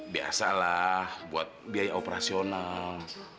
biasalah buat biaya operasional